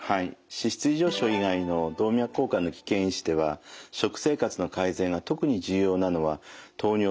脂質異常症以外の動脈硬化の危険因子では食生活の改善が特に重要なのは糖尿病と高血圧です。